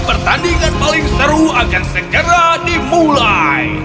pertandingan paling seru akan segera dimulai